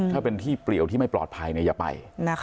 ถ้าเป็นที่เปลี่ยวที่ไม่ปลอดภัยอย่าไป